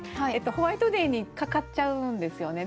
ホワイトデーにかかっちゃうんですよね。